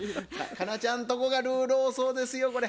佳奈ちゃんとこがルール多そうですよこれ。